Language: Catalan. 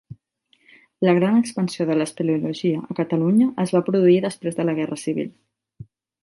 La gran expansió de l'espeleologia a Catalunya es va produir després de la Guerra Civil.